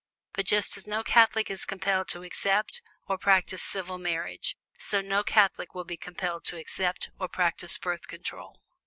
But just as no Catholic is COMPELLED to accept or practice civil marriage, so no Catholic will be compelled to accept or practice Birth Control.